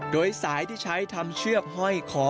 โดยสายที่ใช้ทำเชือกห้อยคอ